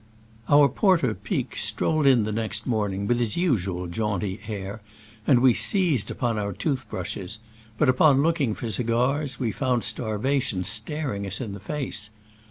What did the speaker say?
Our porter Pic strolled in next morn ing with his usual jaunty air, and we seized upon our tooth brushes, but upon looking for the cigars we found starva tion staring us in the face.